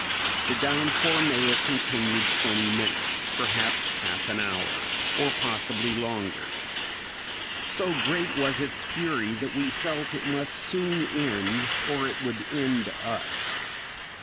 The downpour may have continued twenty minutes, perhaps half an hour, or possibly longer. So great was its fury that we felt it must soon end or it would end us.